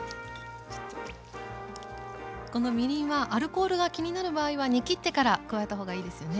このみりんはアルコールが気になる場合は煮きってから加えた方がいいですよね。